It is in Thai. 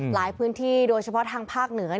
หลายพื้นที่โดยเฉพาะทางภาคเหนือ